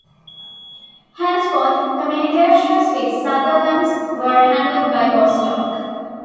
Henceforth, communications with Sutherland were handled by Bostock.